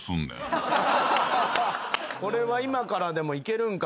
これは今からでもいけるんか？